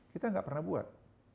kita tidak pernah buat